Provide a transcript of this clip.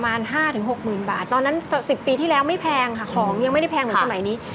๕๖๐๐๐บาทตอนนั้น๑๐ปีที่แล้วไม่แพงค่ะของยังไม่ได้แพงเหมือนสมัยนี้